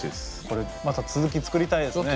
これまた続き作りたいですね。